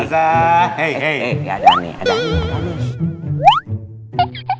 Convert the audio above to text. dan saya adalah keponakan dari kiai amin